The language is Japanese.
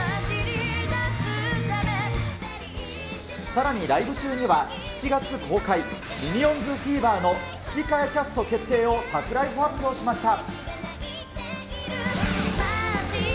さらにライブ中には、７月公開、ミニオンズフィーバーの吹き替えキャスト決定をサプライズ発表しました。